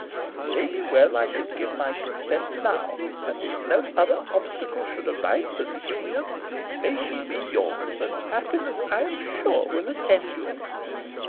It may be well I should give my consent now, and, if no other obstacle should arise to the union, may she be yours, and happiness I am sure will attend you!"